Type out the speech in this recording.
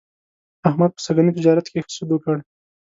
احمد په سږني تجارت کې ښه سود وکړ.